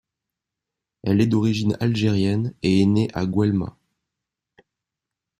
Elle est d’origine algérienne et est née à Guelma.